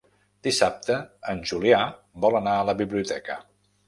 Dissabte en Julià vol anar a la biblioteca.